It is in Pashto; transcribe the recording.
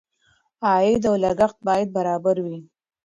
عاید او لګښت باید برابر وي.